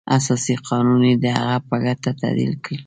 اساسي قانون یې د هغه په ګټه تعدیل کړ.